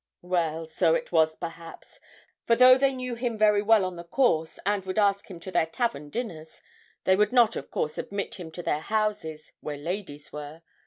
'Well, so it was perhaps; for though they knew him very well on the course, and would ask him to their tavern dinners, they would not, of course, admit him to the houses where ladies were.